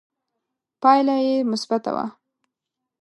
پایله یې مثبته وه